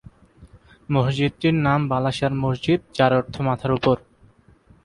মসজিদটির নাম বালা সার মসজিদ যার অর্থ মাথার উপর।